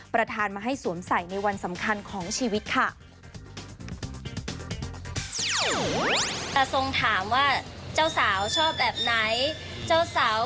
ประธานมาให้สวมใส่ในวันสำคัญของชีวิตค่ะ